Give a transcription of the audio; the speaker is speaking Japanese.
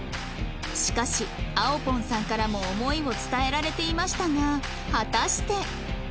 しかしあおぽんさんからも思いを伝えられていましたが果たして